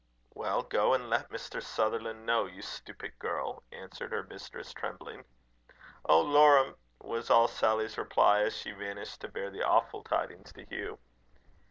"Well, go and let Mr. Sutherland know, you stupid girl," answered her mistress, trembling. "Oh! lor'm!" was all Sally's reply, as she vanished to bear the awful tidings to Hugh.